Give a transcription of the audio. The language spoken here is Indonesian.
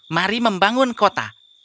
mari membangun kota